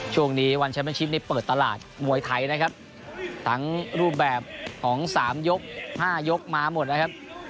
ช่วงนี้วันแชมป์ชิปนี่เปิดตลาดมวยไทยนะครับทั้งรูปแบบของ๓ยก๕ยกมาหมดนะครับ